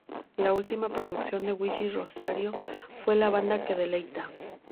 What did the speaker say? La última producción de Willie Rosario fue ""La Banda Que Deleita"".